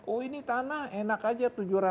oh ini tanah enak aja tujuh ratus